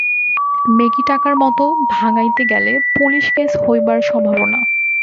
মেকি টাকার মতো, ভাঙাইতে গেলে পুলিস-কেস হইবার সম্ভাবনা।